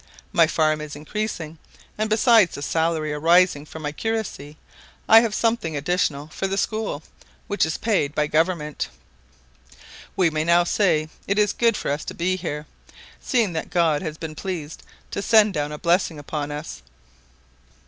My farm is increasing, and besides the salary arising from my curacy I have something additional for the school, which is paid by Government. We may now say it is good for us to be here, seeing that God has been pleased to send down a blessing upon us."